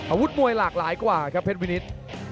อาวุธมวยหลากหลายกว่าครับเพชรวินิต